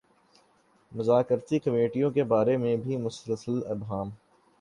مذاکرتی کمیٹیوں کے بارے میں بھی مسلسل ابہام ہے۔